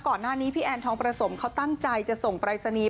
ก่อนหน้านี้พี่แอนทองประสมเขาตั้งใจจะส่งปรายศนีย์